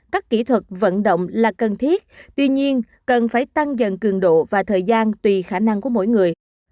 các kỹ thuật vận động là cần thiết tuy nhiên cần phải tăng dần cường độ và thời gian tùy khả năng của mỗi người